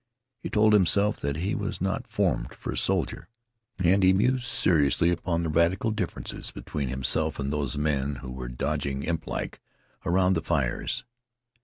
He told himself that he was not formed for a soldier. And he mused seriously upon the radical differences between himself and those men who were dodging imp like around the fires.